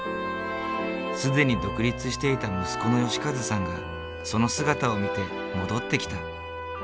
既に独立していた息子の良和さんがその姿を見て戻ってきた。